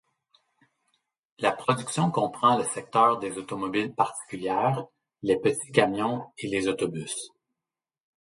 La production comprend le secteur des automobiles particulières, les petits camions et les autobus.